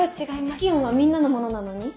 ツキヨンはみんなのものなのに？